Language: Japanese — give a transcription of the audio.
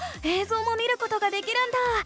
えいぞうも見ることができるんだ。